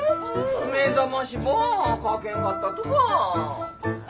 目覚ましばかけんかったとか。